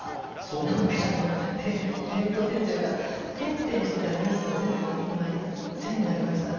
何か点と点というか点々してたニュースが全部今線になりましたね。